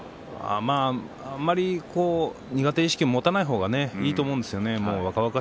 あまり苦手意識は持たない方がいいと思うんですがね。